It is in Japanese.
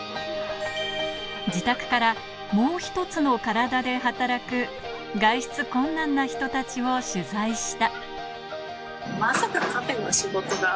自宅からもう一つのカラダで働く、外出困難な人たちを取材した。